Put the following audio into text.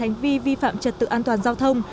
hành vi vi phạm trật tự an toàn giao thông